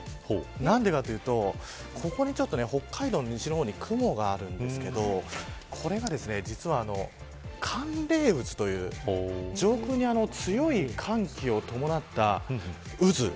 なぜかというとここに、北海道の西の方に雲があるんですけど、これが寒冷渦という上空に強い寒気を伴った渦。